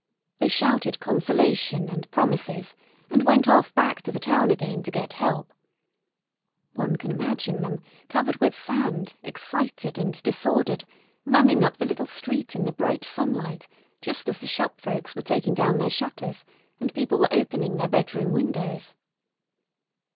They shouted consolation and promises, and went off back to the town again to get help. One can imagine them, covered with sand, excited and disordered, running up the little street in the bright sunlight just as the shop folks were taking down their shutters and people were opening their bedroom windows.